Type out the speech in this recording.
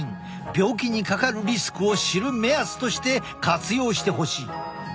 病気にかかるリスクを知る目安として活用してほしい。